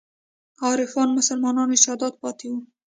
عارفو مسلمانانو ارشادات پاتې وو.